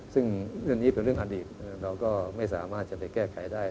ซึ่งเรื่องนี้เป็นเรื่องอดีตเราก็ไม่สามารถจะไปแก้ไขได้